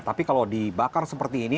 tapi kalau dibakar seperti ini